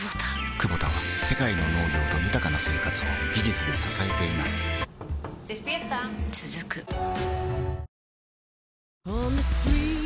クボタは世界の農業と豊かな生活を技術で支えています起きて。